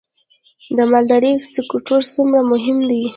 د مالدارۍ سکتور څومره مهم دی؟